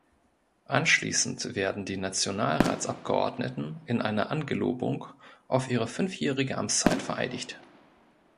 Anschließend werden die Nationalratsabgeordneten in einer Angelobung auf ihre fünfjährige Amtszeit vereidigt.